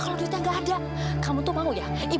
kalau gitu sen jangan sampai mangkir lagi